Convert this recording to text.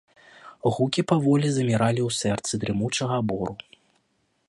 Гукі паволі заміралі ў сэрцы дрымучага бору.